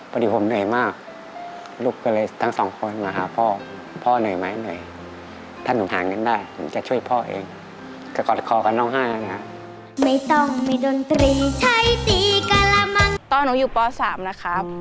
กอดคอกับน้องห้านะครับไม่ต้องมีดนตรีใช้ตีกรมันตอนหนูอยู่ป่าสามนะครับ